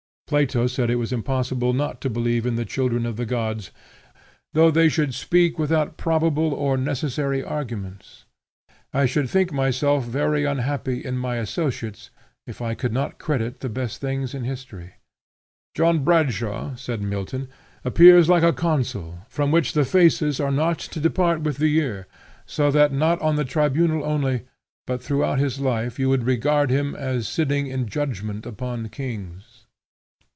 Plato said it was impossible not to believe in the children of the gods, "though they should speak without probable or necessary arguments." I should think myself very unhappy in my associates if I could not credit the best things in history. "John Bradshaw," says Milton, "appears like a consul, from whom the fasces are not to depart with the year; so that not on the tribunal only, but throughout his life, you would regard him as sitting in judgment upon kings."